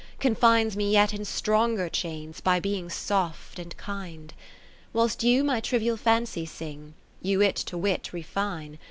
Confines me yet in stronger chains, By being soft and kind. Whilst you my trivial fancy sing. You it to wit refine.